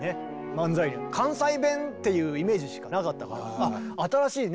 漫才関西弁っていうイメージしかなかったから新しいね